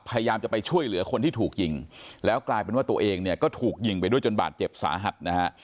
พยายามจะไปช่วยเหลือคนที่ถูกยิงแล้วกลายเป็นว่าตัวเองเนี่ยก็ถูกยิงไปด้วยจนบาดเจ็บสาหัสนะฮะ